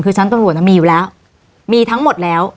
คือชั้นตำรวจมีอยู่แล้วมีทั้งหมดแล้ว